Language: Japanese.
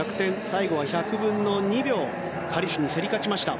最後は１００分の２秒カリシュに競り勝ちました。